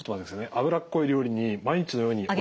脂っこい料理に毎日のようにおやつ。